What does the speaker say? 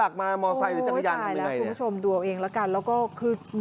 กว่าจะเสร็จ